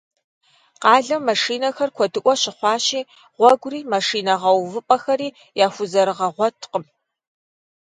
Къалэм машинэхэр куэдыӏуэ щыхъуащи, гъуэгури машинэ гъэувыпӏэхэри яхузэрыгъэгъуэткъым.